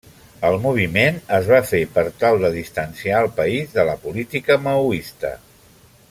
El moviment es va fer per tal de distanciar el país de la política maoista.